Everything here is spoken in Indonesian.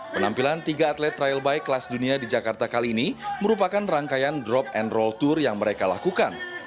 penampilan tiga atlet trial bike kelas dunia di jakarta kali ini merupakan rangkaian drop and roll tour yang mereka lakukan